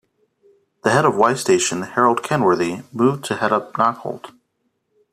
The head of Y station, Harold Kenworthy, moved to head up Knockholt.